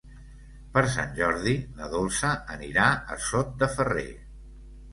Per Sant Jordi na Dolça anirà a Sot de Ferrer.